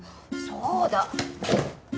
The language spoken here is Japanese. そうだ！